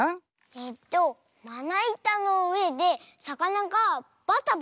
えっとまないたのうえでさかながバタバタはねてるおと？